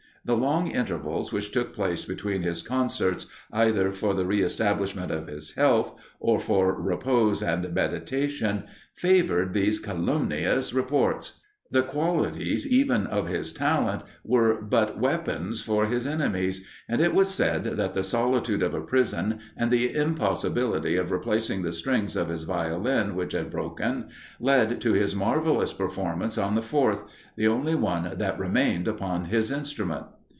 The long intervals which took place between his concerts, either for the re establishment of his health or for repose and meditation, favoured these calumnious reports. The qualities even of his talent were but weapons for his enemies, and it was said that the solitude of a prison, and the impossibility of replacing the strings of his Violin which had broken, led to his marvellous performance on the fourth, the only one that remained upon his instrument.